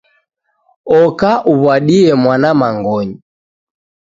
Oka uw'adie mwana mangonyi.